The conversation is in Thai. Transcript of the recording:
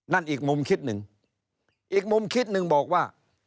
อีกมุมคิดหนึ่งอีกมุมคิดหนึ่งบอกว่า